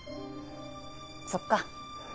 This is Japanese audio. そっか。